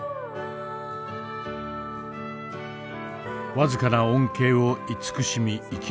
僅かな恩恵を慈しみ生きる。